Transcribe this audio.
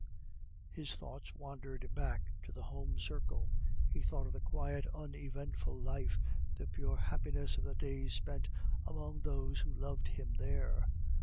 His thoughts wandered back to the home circle. He thought of the quiet uneventful life, the pure happiness of the days spent among those who loved him there.